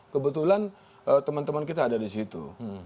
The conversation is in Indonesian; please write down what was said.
kebetulan teman teman kita ada di situ